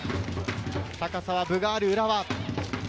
高さは分がある浦和。